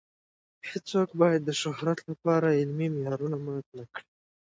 هیڅوک باید د شهرت لپاره علمي معیارونه مات نه کړي.